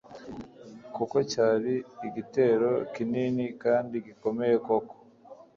kuko cyari igitero kinini kandi gikomeye koko